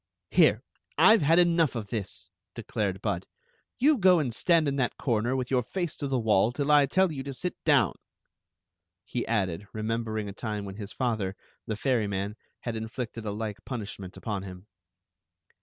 Here ! I Ve had enough of this," declared Bud " You go and stand in that corner, witii your &ce to the wall, till I tell you to sit down," he ackied, roncm* bering a time when his father, the ferryman, had inflicted a like punishment upon him.